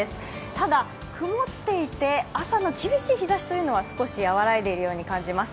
ただ、曇っていて朝の厳しい日ざしは少し和らいでいるように感じます。